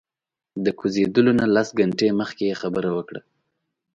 د کوزیدلو نه لس ګنټې مخکې یې خبره وکړه.